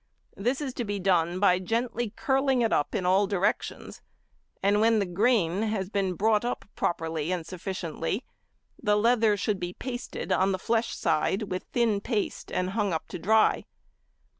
This is to be done by gently curling it up in all directions; and when the grain has been brought up properly and sufficiently, the leather should be pasted on the flesh side with thin paste, and hung up to dry.